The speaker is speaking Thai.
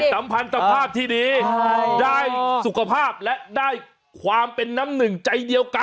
สัมพันธภาพที่ดีได้สุขภาพและได้ความเป็นน้ำหนึ่งใจเดียวกัน